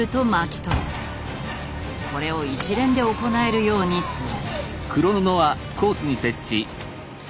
これを一連で行えるようにする。